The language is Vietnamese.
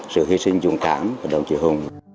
sự hy sinh dùng cảm của đồng chỉ hùng